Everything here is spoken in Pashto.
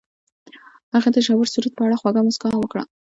هغې د ژور سرود په اړه خوږه موسکا هم وکړه.